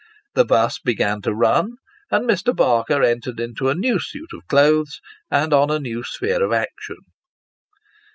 The buss began to run, and Mr. Barker entered into a . new suit of clothes, and on a new sphere of action.